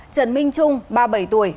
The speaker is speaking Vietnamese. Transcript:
trần minh trung ba mươi bảy tuổi